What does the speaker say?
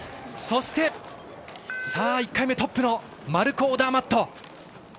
そして１回目トップのマルコ・オダーマット。